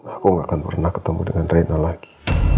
aku gak akan pernah ketemu dengan reina lagi